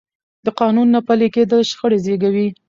د قانون نه پلي کېدل شخړې زېږوي